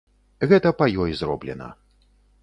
Гэта па ёй зроблена.